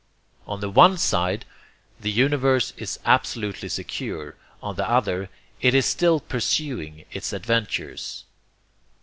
On the one side the universe is absolutely secure, on the other it is still pursuing its adventures.